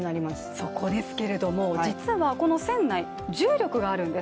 そこですけれども、実はこの船内、重力があるんです。